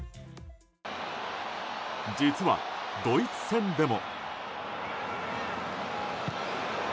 実はドイツ戦でも。